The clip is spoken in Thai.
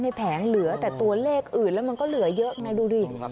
แผงเหลือแต่ตัวเลขอื่นแล้วมันก็เหลือเยอะไงดูดิ